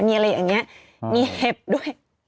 มีอะไรอย่างนี้มีเห็บด้วย